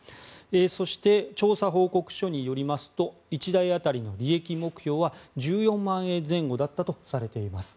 そして調査報告書によりますと１台当たりの利益目標は１４万円前後だったとされています。